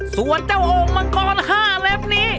ส่วนเจ้าโหงมังกร๕เล็บนี้